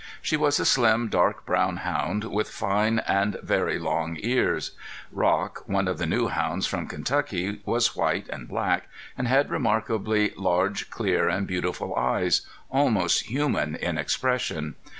She was a slim, dark brown hound with fine and very long ears. Rock, one of the new hounds from Kentucky, was white and black, and had remarkably large, clear and beautiful eyes, almost human in expression.